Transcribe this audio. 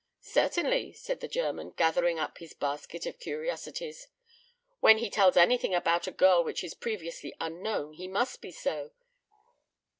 "Certainly," said the German, gathering up his basket of curiosities, "when he tells anything about a girl which is previously unknown he must be so.